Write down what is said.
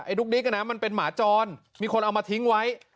ดุ๊กดิ๊กมันเป็นหมาจรมีคนเอามาทิ้งไว้